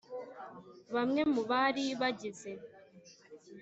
bamwe mu bari bagize